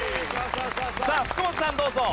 さあ福本さんどうぞ。